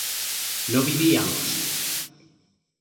¿no vivíamos?